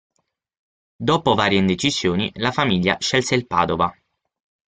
Dopo varie indecisioni, la famiglia scelse il Padova.